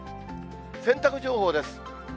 洗濯情報です。